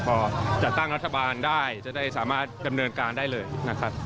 พอจัดตั้งรัฐบาลได้จะได้สามารถดำเนินการได้เลยนะครับ